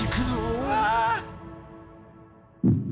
うわ！